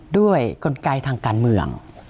ด้วยกลไกทางการเมือง